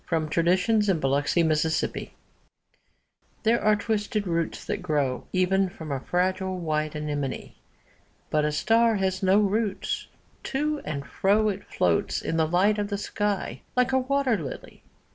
DiqllzodbvCoOgle STAR SONG These are twisted roots that grow Even from a fragile white anemone. 'But a star has no roots : to and fro It floats in the light of the sky, like a wat«r ]ily.